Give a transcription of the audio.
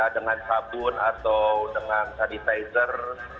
dengan sabun atau dengan sanitizer